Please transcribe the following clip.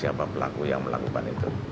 tidak tahu siapa pelaku yang melakukan itu